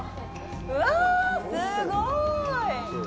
うわ、すごい！